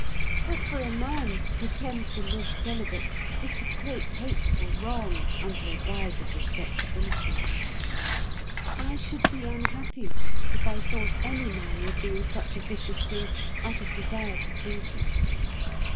But for a man to pretend to live celibate is to cloak hateful wrong under a guise of respectability. I should be unhappy if I thought any man was doing such a vicious thing out of desire to please me.